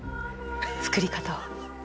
作り方を。